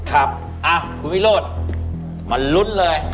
ครับคุณวิโรธมาลุ้นเลย